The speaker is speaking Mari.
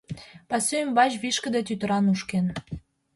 Пасу ӱмбач вишкыде тӱтыра нушкеш.